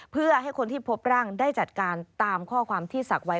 เพื่อให้คนที่พบร่างได้จัดการตามข้อความที่ศักดิ์ไว้